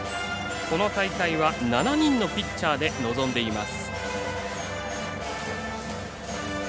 この大会は、７人のピッチャーで臨んでいます。